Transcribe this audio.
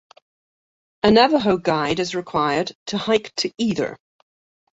A Navajo guide is required to hike to either.